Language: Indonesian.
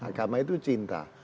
agama itu cinta